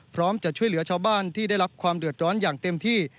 พร้อมจะช่วยเหลือชาวบ้านที่ได้รับความเดือดร้อนอย่างเต็มที่